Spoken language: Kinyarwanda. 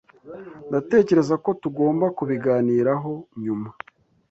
Ndatekereza ko tugomba kubiganiraho nyuma.